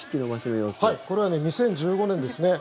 これは２０１５年ですね。